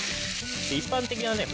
一般的なね